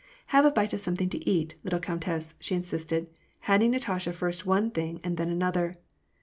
" Have a bite of something to eat, little countess," she in sisted, handing Natasha first one thing and then another.